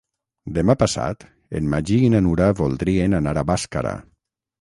Demà passat en Magí i na Nura voldrien anar a Bàscara.